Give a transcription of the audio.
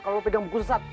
kalau lo pegang buku sesat